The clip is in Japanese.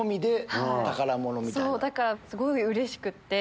だからすごいうれしくて。